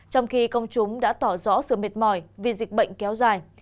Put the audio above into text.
trong khi công chúng đã tỏ rõ sự mệt mỏi vì dịch bệnh kéo dài